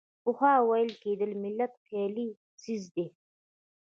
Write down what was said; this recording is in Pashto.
پخوا ویل کېدل ملت خیالي څیز دی.